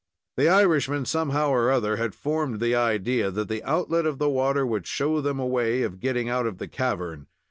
The Irishman, somehow or other, had formed the idea that the outlet of the water would show them a way of getting out of the cavern.